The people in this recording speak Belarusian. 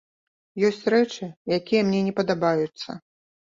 Ёсць рэчы, якія мне не падабаюцца.